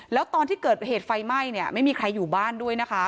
แล้วตอนที่เกิดเหตุไฟไหม้เนี่ยไม่มีใครอยู่บ้านด้วยนะคะ